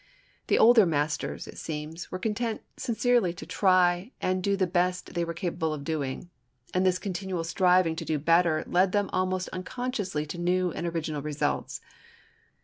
The older masters, it seems, were content sincerely to try and do the best they were capable of doing. And this continual striving to do better led them almost unconsciously to new and original results.